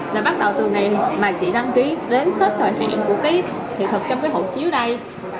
là bắt đầu từ ngày mà chị đăng ký đến hết thời hạn của cái thị thực trong cái hộ chiếu đây